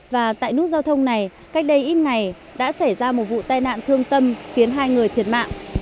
và tại nút giao thông này cách đây ít ngày đã xảy ra một vụ tai nạn thương tâm khiến hai người thiệt mạng